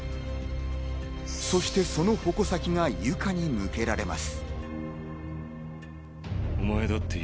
そしてその矛先がユカに向けられます。